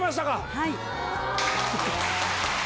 はい。